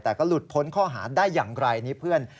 แต่ก็หลุดพ้นข้อหาได้อย่างไรนี่เพื่อน